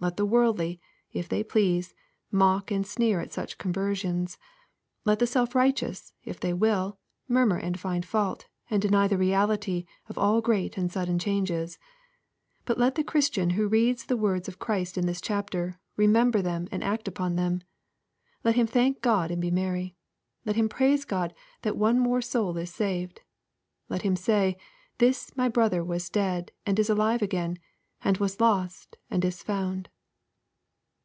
Let the worldly, if they please, mock and sneer at such conversions. Let the self righteous, if they will, murmur and find fault, and deny the reality of all great and sudden changes. But let the Christian who reads the words of Christ in this chapter, re member them and act upon them. Let him thank God ^/4nd be merry. Let him praise God that one more soul is saved. Let him say, " this my brother was dead and is alive again ; and was lost, and is found."